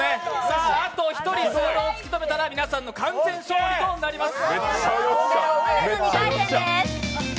あと１人、滑狼を突き止めたら皆さんの完全勝利となります。